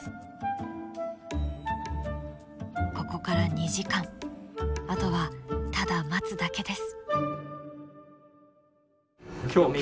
ここから２時間あとはただ待つだけです。